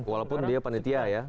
walaupun dia panitia ya